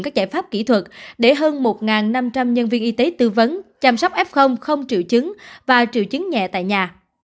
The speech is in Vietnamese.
các giải pháp kỹ thuật để hơn một năm trăm linh nhân viên y tế tư vấn chăm sóc f không triệu chứng và triệu chứng nhẹ tại nhà